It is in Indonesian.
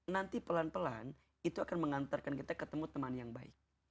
nanti pelan pelan itu akan mengantarkan kita ketemu teman yang baik